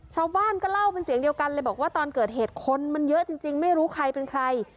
ชาวบ้านก็เล่าเป็นเสียงเดียวกันเลยบอกว่าตอนเกิดเหตุคนมันเยอะจริงไม่รู้ใครเป็นใคร